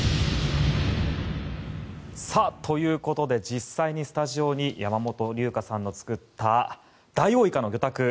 ということで実際にスタジオに山本龍香さんの作ったダイオウイカの魚拓